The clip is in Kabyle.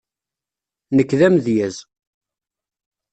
Nekk d amedyaz.